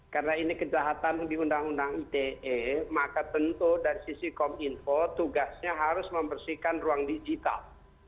karena ini kejahatan di undang undang ite maka tentu dari sisi kominfo tugasnya harus membersihkan ruang digital